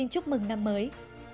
chúc mừng năm mới